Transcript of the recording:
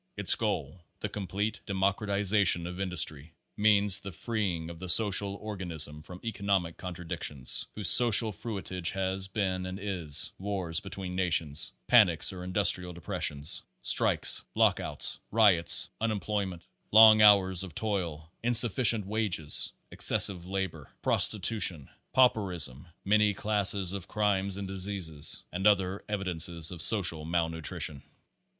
Its goal the complete democratization of industry means the free ing of the social organism from economic contradic tions, whose social fruitage has been and is: wars be tween nations, panics or industrial depressions, strikes, lockouts, riots, unemployment, long hours of toil, in sufficient wages, excessive labor, prostitution, pauper ism, many classes of crimes and diseases, and other evidences of social malnutrition.